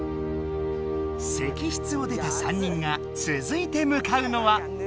石室を出た３人がつづいてむかうのは。